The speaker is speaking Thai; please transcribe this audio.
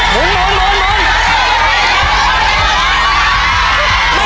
หมุน